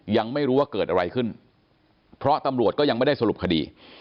ยังไม่รู้ว่าเกิดอะไรขึ้นเพราะตำรวจก็ยังไม่ได้สรุปคดี